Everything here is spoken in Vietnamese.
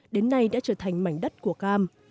đến nay đã trở thành mảnh đất của cam